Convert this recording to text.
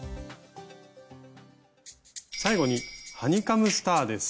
最後にハニカムスターです。